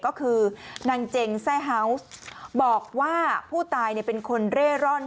ก็คือนางเจงแซ่เฮาวส์บอกว่าผู้ตายเป็นคนเร่ร่อน